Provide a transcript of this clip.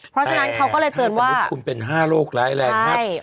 เพราะฉะนั้นเขาก็เลยเตือนว่าคุณเป็น๕โรคร้ายแรงครับ